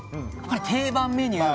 定番メニューで。